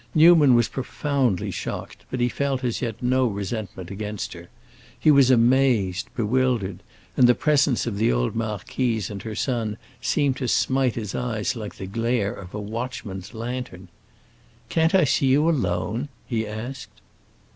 Newman was profoundly shocked, but he felt as yet no resentment against her. He was amazed, bewildered, and the presence of the old marquise and her son seemed to smite his eyes like the glare of a watchman's lantern. "Can't I see you alone?" he asked.